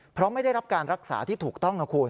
เพราะไม่ได้รับการรักษาที่ถูกต้องนะคุณ